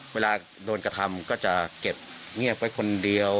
เวลาโดนกระทำก็ค่อยเก็บจะงีกไปคนเดียว